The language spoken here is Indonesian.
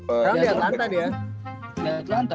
kalo dia telantak dia